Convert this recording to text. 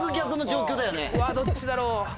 うわどっちだろう？